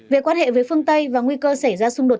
về quan hệ với phương tây và nguy cơ xảy ra xung đột